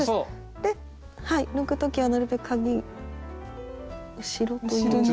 で抜く時はなるべくかぎ後ろというか。